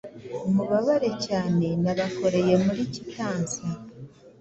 Mubabare cyane Nabakoreyemuri quittance